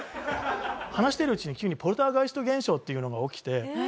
話してるうちに急にポルターガイスト現象っていうのが起きて。